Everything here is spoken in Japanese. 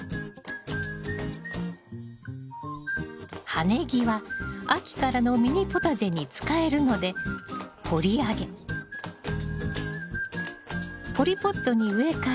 葉ネギは秋からのミニポタジェに使えるので掘り上げポリポットに植え替え